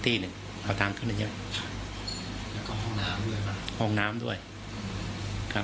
ที่หนึ่งของทางขึ้นนะเยอะ้น้ำด้วยครับ